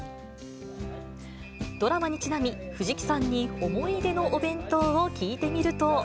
ドラマにちなみ、藤木さんに思い出のお弁当を聞いてみると。